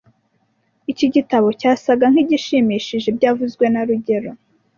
Iki gitabo cyasaga nkigishimishije byavuzwe na rugero